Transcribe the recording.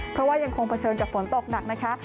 เพราะว่ายังคงเผชิญกับฝนตกหนักนะคะ